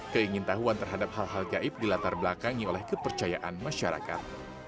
keingin tahuan terhadap hal hal gaib dilatar belakangi oleh kepercayaan masyarakat